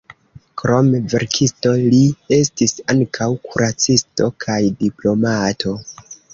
Krom verkisto, li estis ankaŭ kuracisto kaj diplomato.